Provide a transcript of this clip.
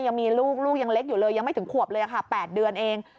ยังมีลูกลูกยังเล็กอยู่เลยยังไม่ถึงขวบเลยค่ะ๘เดือนเอง